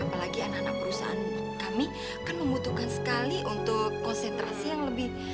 apalagi anak anak perusahaan kami kan membutuhkan sekali untuk konsentrasi yang lebih